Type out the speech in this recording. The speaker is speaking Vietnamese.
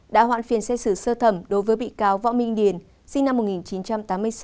đã hoãn phiên xét xử sơ thẩm đối với bị cáo võ minh điền sinh năm một nghìn chín trăm tám mươi sáu